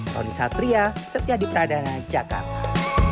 tony satria setia di peradangan jakarta